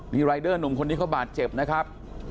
มีรายเดอร์หนุ่มคนนี้เขาบาดเจ็บนะครับ